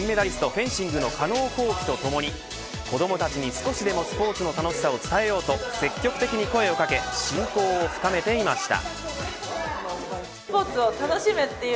フェンシングの加納虹輝とともに子どもたちに少しでもスポーツの楽しさを伝えようと積極的に声をかけ親交を深めていました。